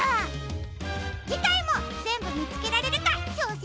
じかいもぜんぶみつけられるかちょうせんしてみてね！